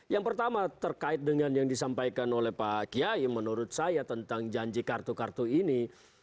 yang pertama terkait dengan yang disampaikan oleh pak kiai menurut saya tentang janji kartu kartu ini